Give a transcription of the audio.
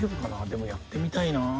でもやってみたいなあ。